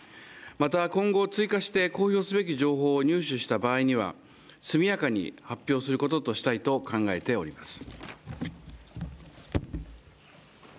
また、今後追加して公表すべき情報を入手した場合には、速やかに発表することとしたいと考えております。